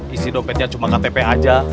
isi dompetnya cuma ktp aja